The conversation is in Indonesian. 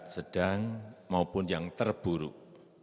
sedang maupun yang terburuk